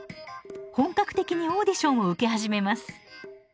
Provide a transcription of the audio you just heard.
本格的にオーディションを受け始めます。